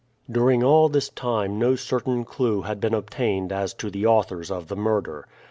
During all this time no certain clew had been obtained as to the authors of the murder.